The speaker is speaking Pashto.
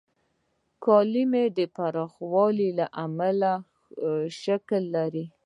کالم د پراخوالي له امله خپل شکل لري.